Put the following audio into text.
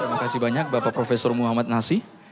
terima kasih banyak bapak profesor mumpenasi